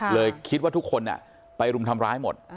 เลยคิดว่าทุกคนไปรุมทำร้ายหมด